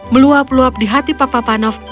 meluap meluap di hati papa panov